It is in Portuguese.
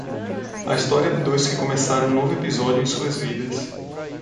A história de dois que começaram um novo episódio em suas vidas.